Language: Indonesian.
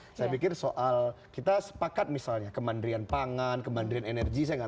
ya saya pikir soal kita sepakat misalnya kemandirian pangan kemandirian energi saya nggak